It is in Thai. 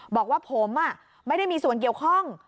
บอกว่าผมไม่ได้มีส่วนเกี่ยวข้อง